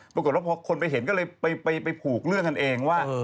ปรากฏว่าพอคนไปเห็นก็เลยไปผูกเรื่องกันเองว่า